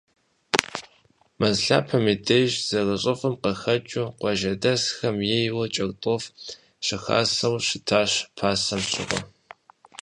Мэз лъапэм и деж, зэрыщӏыфӏым къыхэкӏыу, къуажэдэсхэм ейуэ кӏэртӏоф щыхасэу щытащ пасэм щыгъуэ.